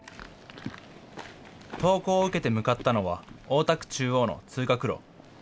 投稿を受けて向かったのは大田区中央の通学路。